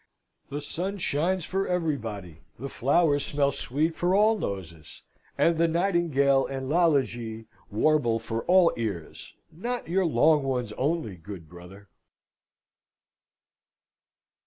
The sun shines for everybody; the flowers smell sweet for all noses; and the nightingale and Lalage warble for all ears not your long ones only, good Brother!